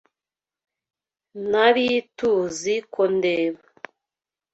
Nari TUZI ko ndeba.